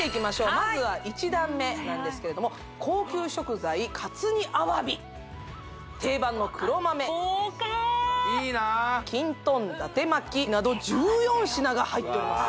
まずは一段目なんですけれども高級食材活煮アワビ定番の黒豆豪華きんとん伊達巻など１４品が入っております